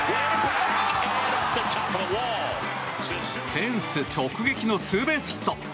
フェンス直撃のツーベースヒット。